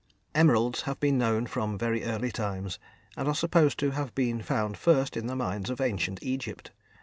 Emeralds have been known from very early times, and are supposed to have been found first in the mines of ancient Egypt.